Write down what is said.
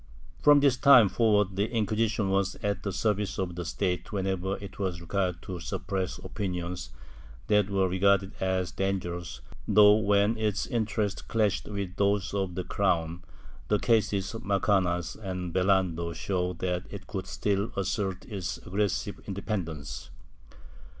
^ From this time forward the Inquisition was at the service of the State whenever it was required to suppress opinions that were regarded as dangerous though, when its interests clashed with those of the crown, the cases of Macanaz and Belando show that it could still assert its aggressive independence.